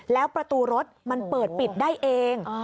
แล้วประตูรถมันเปิดปิดได้เอง